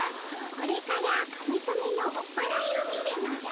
これからカメトメのオッパライを見るのじゃ。